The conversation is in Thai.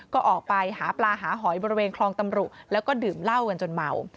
ก็ออกไปหาปลาหาหอยบริเวณคลองตำรุแล้วก็ดื่มเหล้ากันจนเมา